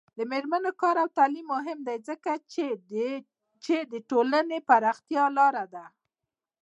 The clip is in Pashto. د میرمنو کار او تعلیم مهم دی ځکه چې ټولنې پراختیا لاره ده.